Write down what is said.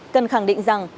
cần khẳng định rằng